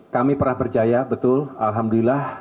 kami pernah berjaya betul alhamdulillah